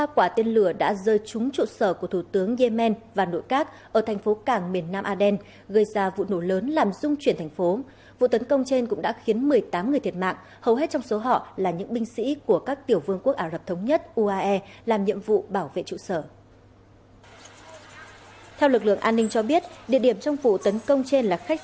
các bạn hãy đăng ký kênh để ủng hộ kênh của chúng mình nhé